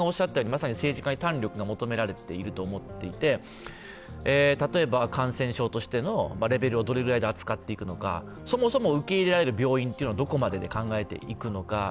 まさに政治家に胆力が求められていると思っていて例えば、感染症としてのレベルをどれくらいで扱っていくのか、そもそも受け入れられる病院はどこまでと考えていくのか。